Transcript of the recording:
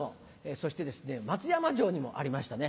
そして松山城にもありましたね。